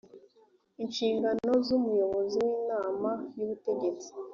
inshingano z umuyobozi w inama y ubutegetsi